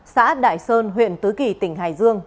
xã đại sơn huyện tứ kỳ tỉnh hải dương